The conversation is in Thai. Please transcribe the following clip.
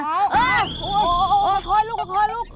โอ้โหโอ้โหขอลูกลูก